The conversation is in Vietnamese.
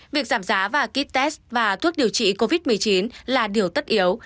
việc giảm giá và ký test và thuốc điều trị covid một mươi chín là điều tất yếu